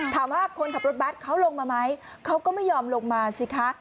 ถามว่าคนขับรถบัตรเขาลงมาไหมเขาก็ไม่ยอมลงมาสิคะ